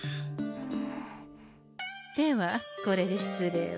ではこれで失礼を。